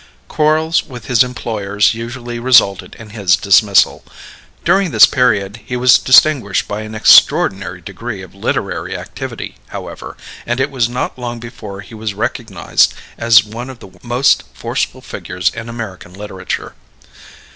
Quarrels with his employers usually resulted in his dismissal. During this period he was distinguished by an extraordinary degree of literary activity, however, and it was not long before he was recognized as one of the most forceful figures in American literature.